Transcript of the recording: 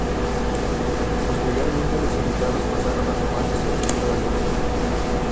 Posteriormente los invitados pasaron a tomar desayuno al Casino de alumnos.